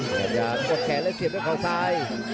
พยายามพกแขกแล้วเสียบเขาขวาซ้าย